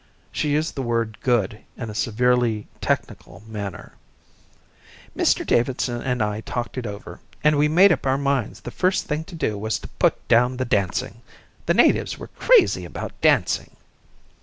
She used the word good in a severely technical manner. "Mr Davidson and I talked it over, and we made up our minds the first thing to do was to put down the dancing. The natives were crazy about dancing."